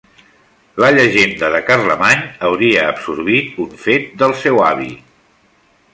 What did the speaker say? La llegenda de Carlemany hauria absorbit un fet del seu avi.